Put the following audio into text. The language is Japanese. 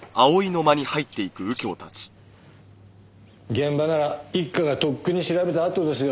現場なら一課がとっくに調べたあとですよ。